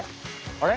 あれ？